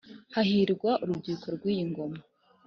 hahirwa urubyiruko rw'iyi ngoma